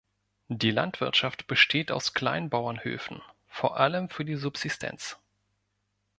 Die Landwirtschaft besteht aus Kleinbauernhöfen, vor allem für die Subsistenz.